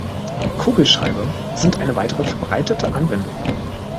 Kugelschreiber sind eine weitere verbreitete Anwendung.